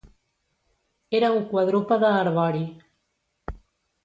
Era un quadrúpede arbori.